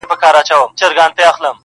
او قاضي ته یې د میني حال بیان کړ-